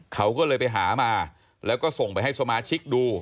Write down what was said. เขาก็เลยไปหามาแล้วก็ส่งไปให้สมาชิกดู